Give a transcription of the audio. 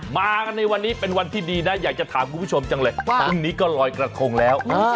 มากันในวันนี้เป็นวันที่ดีนะอยากจะถามคุณผู้ชมจังเลยพรุ่งนี้ก็ลอยกระทงแล้ว